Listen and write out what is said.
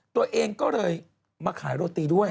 ตัวเองก็เลยมาขายโรตีด้วย